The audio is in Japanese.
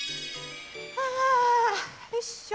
あよいしょ。